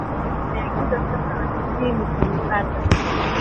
ndio nimeagiza sasa nafikiri nikivipata